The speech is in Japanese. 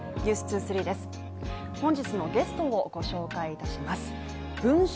本日のゲストをご紹介いたします文春